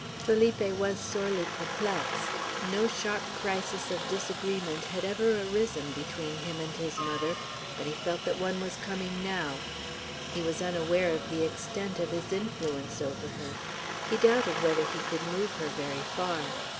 Felipe was sorely perplexed. No sharp crisis of disagreement had ever arisen between him and his mother, but he felt that one was coming now. He was unaware of the extent of his influence over her. He doubted whether he could move her very far.